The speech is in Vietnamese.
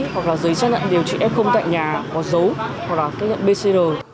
hoặc là giấy xét nhận điều trị f tại nhà có dấu hoặc là cây nhận bcr